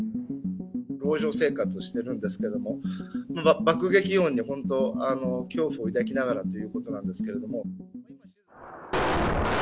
籠城生活をしているんですけれども、爆撃音に本当、恐怖を抱きながらっていうことなんですけれども。